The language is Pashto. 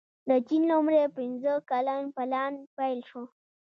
د چین لومړی پنځه کلن پلان پیل شو.